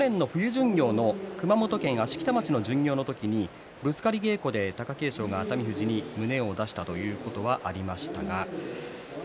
巡業の熊本県芦北町での巡業の時ぶつかり稽古で貴景勝が熱海富士に胸を出したということがありました。